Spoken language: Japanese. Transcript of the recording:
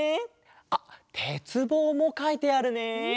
あってつぼうもかいてあるね！